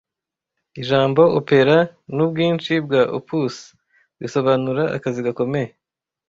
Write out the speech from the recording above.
Ijambo opera nubwinshi bwa opus risobanura Akazi gakomeye